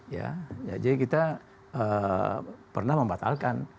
ya jadi kita pernah membatalkan